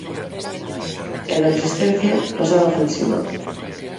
E da resistencia pasar á ofensiva.